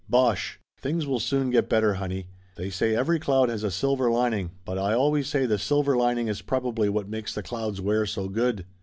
"Bosh ! Things will soon get better, honey ! They say every cloud has a silver lining, but I always say the silver lining is probably what makes the clouds wear so good!"